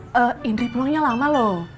loh indri pulangnya lama loh